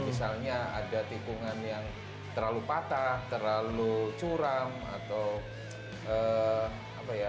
misalnya ada tikungan yang terlalu patah terlalu curam atau apa ya